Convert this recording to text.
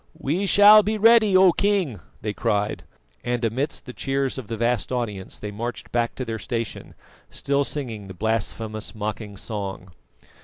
"We shall be ready, O King," they cried; and amidst the cheers of the vast audience they marched back to their station, still singing the blasphemous mocking song.